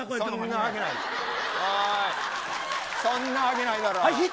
そんなわけないだろ。